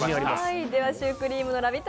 ではシュークリームのラヴィット！